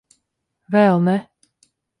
Vēl ne.